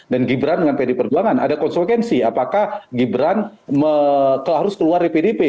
dan gibran dengan pd perjuangan ada konsekuensi apakah gibran harus keluar dari pdp